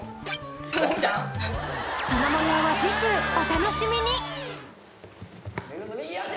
そのもようは次週お楽しみに！